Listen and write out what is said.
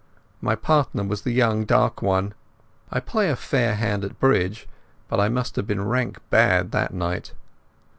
My partner was the young dark one. I play a fair hand at bridge, but I must have been rank bad that night.